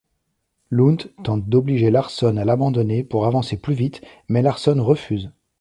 Lund tente d'obliger Larson à l'abandonner pour avancer plus vite, mais Larson refuse.